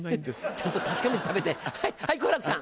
ちゃんと確かめて食べてはい好楽さん。